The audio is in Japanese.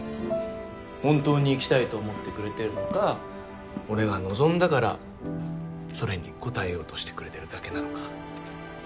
本当に行きたいと思ってくれてるのか俺が望んだからそれに応えようとしてくれてるだけなのか。